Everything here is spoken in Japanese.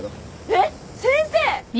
・えっ先生！